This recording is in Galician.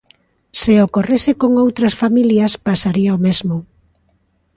Se ocorrese con outras familias, pasaría o mesmo.